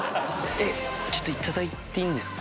えっちょっといただいていいんですか？